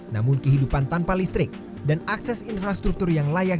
namun kehidupan tanpa listrik dan akses infrastruktur yang layak